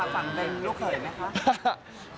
ฟังเรนรู้เคยไหมคะ